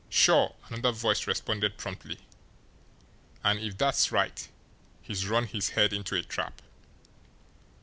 "Sure!" another voice responded promptly. "And if that's right, he's run his head into a trap.